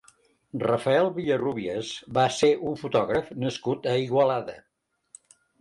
Rafael Vilarrubias va ser un fotògraf nascut a Igualada.